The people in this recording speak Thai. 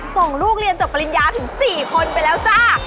ส่งลูกเรียนจบปริญญาถึง๔คนไปแล้วจ้า